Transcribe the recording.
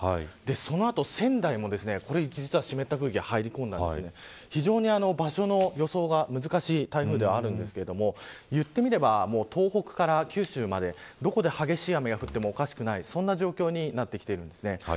その後、仙台も、実は湿った空気が入り込んでいて非常に場所の予想が難しい台風ではあるんですが言ってみれば東北から九州までどこで激しい雨が降ってもおかしくないそんな状況になってきています。